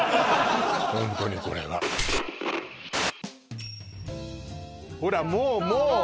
ホントにこれはほらもうもう！